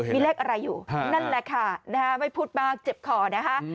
มีเลขอะไรอยู่นั่นแหละค่ะไม่พูดมากเจ็บคอนะคะ